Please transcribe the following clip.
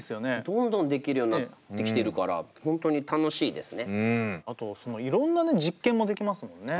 どんどんできるようになってきてるからあとそのいろんな実験もできますもんね。